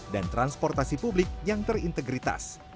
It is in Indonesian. dan transportasi publik yang terintegritas